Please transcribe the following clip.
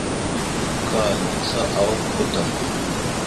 Kay nagsáawak gokwa tam.